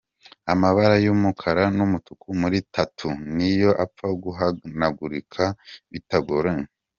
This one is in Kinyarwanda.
Amabara y’umukara n’umutuku muri tattoo ni yo apfa guhanagurika bitagoranye.